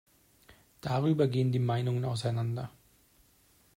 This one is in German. Darüber gehen die Meinungen auseinander.